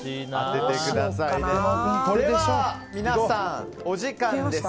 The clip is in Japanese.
では、皆さんお時間です。